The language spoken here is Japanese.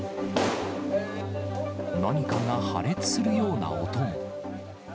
何かが破裂するような音も。